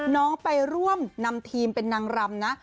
น้องไปร่วมนำทีมเป็นนางรำนะ